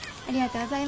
ありがとう。